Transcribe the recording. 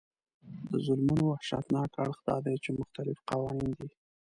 د ظلمونو وحشتناک اړخ دا دی چې مختلف قوانین دي.